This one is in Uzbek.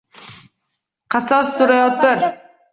Qasos so’rayotir